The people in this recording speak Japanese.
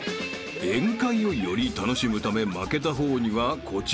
［宴会をより楽しむため負けた方にはこちらのイタズラが］